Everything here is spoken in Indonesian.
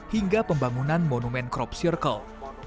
hingga pembangunan monumen crop circle